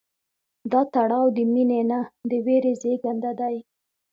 دا تړاو د مینې نه، د ویرې زېږنده دی.